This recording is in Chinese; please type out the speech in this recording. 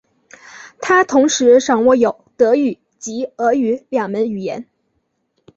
他同时掌握有德语及俄语两门语言。